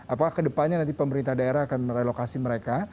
apakah ke depannya nanti pemerintah daerah akan merelokasi mereka